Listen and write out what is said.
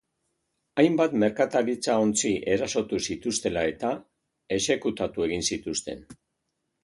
Hainbat merkataritza-ontzi erasotu zituztela eta, exekutatu egin zituzten.